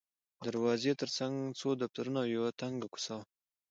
د دروازې ترڅنګ څو دفترونه او یوه تنګه کوڅه وه.